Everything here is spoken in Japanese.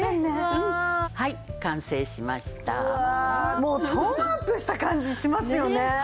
もうトーンアップした感じしますよね。